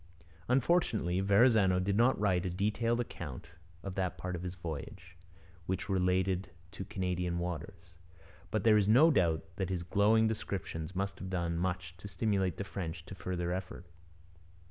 Unfortunately, Verrazano did not write a detailed account of that part of his voyage which related to Canadian waters. But there is no doubt that his glowing descriptions must have done much to stimulate the French to further effort.